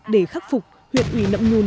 để khắc phục huyện ủy nậm nhun đã